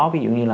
ví dụ như là